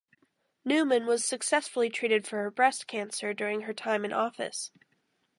Newman was successfully treated for breast cancer during her time in office.